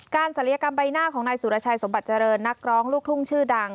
ศัลยกรรมใบหน้าของนายสุรชัยสมบัติเจริญนักร้องลูกทุ่งชื่อดัง